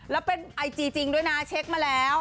แล้วเป็นไอจีจริงด้วยนะเช็คมาแล้ว